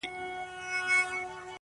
هلک دي لوی کړ د لونګو بوی یې ځینه!!